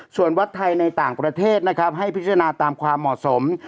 ส่วนวัดไทยในต่างประเทศนะครับให้พิจารณาตามความเหมาะสม